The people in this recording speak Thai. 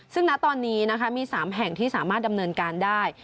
ซึ่งณตอนนี้นะคะมี๓แห่งที่สามารถดำเนินการได้